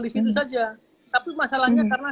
di situ saja tapi masalahnya karena